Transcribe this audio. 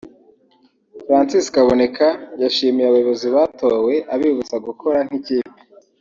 Francis Kaboneka yashimiye abayobozi batowe abibutsa gukora nk’ikipe